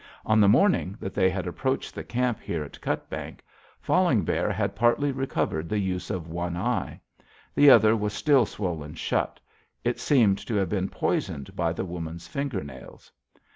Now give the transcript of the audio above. On the morning that they approached the camp here on Cutbank, Falling Bear had partly recovered the use of one eye. The other was still swollen shut; it seemed to have been poisoned by the woman's fingernails.